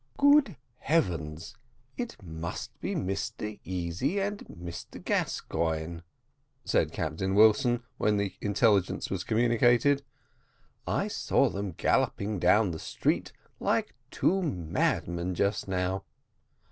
"Good heavens, it must be Mr Easy and Mr Gascoigne!" said Captain Wilson, when the intelligence was communicated; "I saw them galloping down the street like two madmen just now.